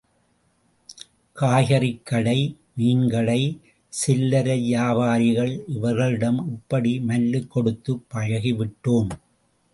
காய்கறிக் கடை, மீன் கடை, சில்லரை வியாபாரிகள் இவர்களிடம் இப்படி மல்லுக் கொடுத்துப் பழகிவிட்டோம்.